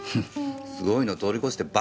すごいの通り越してバカだよ。